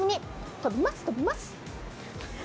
とびます、とびます！